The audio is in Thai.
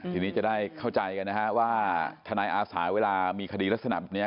ทีนี้จะได้เข้าใจกันนะฮะว่าทนายอาสาเวลามีคดีลักษณะแบบนี้